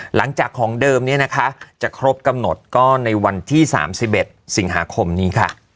หลังจากของเดิมนี้นะคะจะครบกำหนดก็ในวันที่๓๑สิงหาคมนี้ค่ะ